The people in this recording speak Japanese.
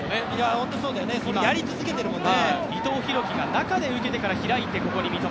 ホントそうだよね、やり続けているもんね。